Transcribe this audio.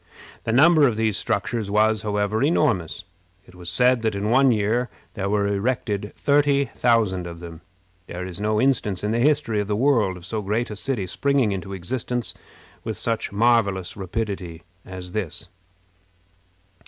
The number of these structures was, however, enormous. It was said that in one year there were erected thirty thousand of them. There is no instance in the history of the world of so great a city springing into existence with such marvelous rapidity as this.